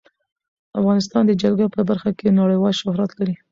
افغانستان د جلګه په برخه کې نړیوال شهرت لري.